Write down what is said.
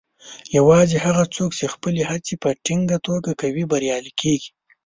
یوازې هغه څوک چې خپلې هڅې په ټینګه توګه کوي، بریالي کیږي.